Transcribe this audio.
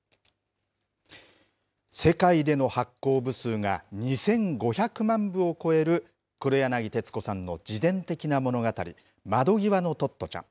世界での発行部数が２５００万部を超える黒柳徹子さんの自伝的な物語、窓ぎわのトットちゃん。